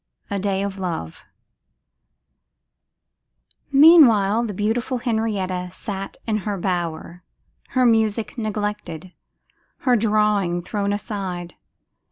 A Day of Love. MEANWHILE the beautiful Henrietta sat in her bower, her music neglected, her drawing thrown aside.